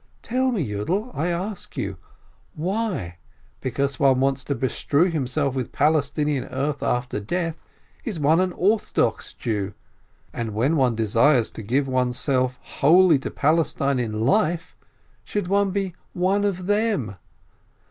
Tell me, Yiidel, I ask you: Why, because one wants to bestrew himself with Palestinian earth after death, is one an orthodox Jew ; and when one desires to give oneself wholly to Palestine in life, should one be 'one of them'